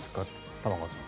玉川さん。